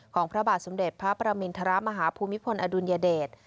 พระบาทสมเด็จพระประมินทรมาฮภูมิพลอดุลยเดช